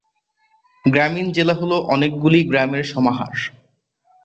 গ্রামীণ জেলা হল অনেকগুলি গ্রামের সমাহার।